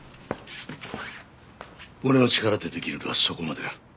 俺の力でできるのはそこまでだ。